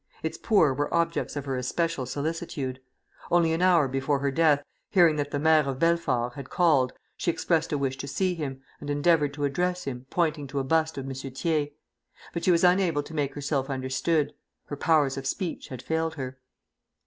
Its poor were objects of her especial solicitude. Only an hour before her death, hearing that the Maire of Belfort had called, she expressed a wish to see him, and endeavored to address him, pointing to a bust of M. Thiers; but she was unable to make herself understood; her powers of speech had failed her.